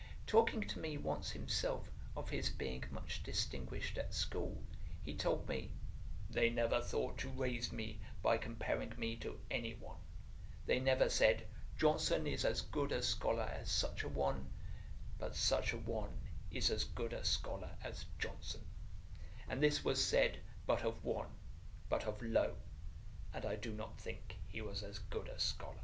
Talking to me once himself of his being much distinguished at school, he told me, 'they never thought to raise me by comparing me to any one; they never said, Johnson is as good a scholar as such a one; but such a one is as good a scholar as Johnson; and this was said but of one, but of Lowe; and I do not think he was as good a scholar.'